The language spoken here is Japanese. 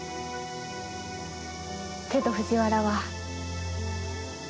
けど藤原は。